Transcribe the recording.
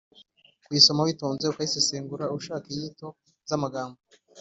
Kuyisoma witonze, ukayisesengura, ushaka inyito z’amagambo